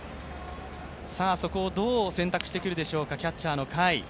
そこをどう選択してくるでしょうか、キャッチャーの甲斐。